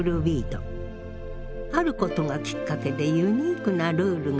あることがきっかけでユニークなルールが生まれたの。